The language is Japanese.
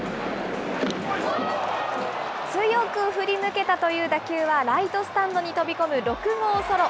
強く振り抜けたという打球はライトスタンドに飛び込む６号ソロ。